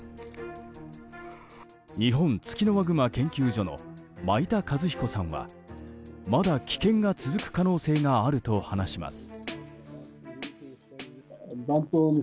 日本ツキノワグマ研究所の米田一彦さんはまだ危険が続く可能性があると話します。